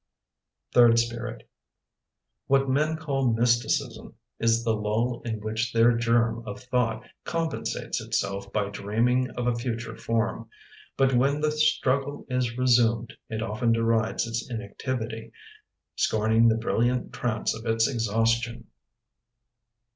Third Spirit What men call mysticism Is the lull in which their germ Of thought compensates itself By dreaming of a future form. But when the struggle is resumed, It often derides its inactivity, Scorning the brilliant trance of its exhaustion!